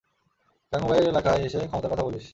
গাঙুবাইয়ের এলাকায় এসে ক্ষমতার কথা বলিস!